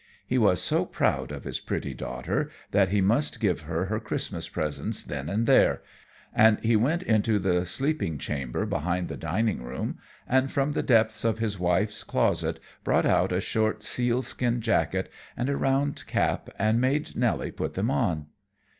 He was so proud of his pretty daughter that he must give her her Christmas presents then and there, and he went into the sleeping chamber behind the dining room and from the depths of his wife's closet brought out a short sealskin jacket and a round cap and made Nelly put them on.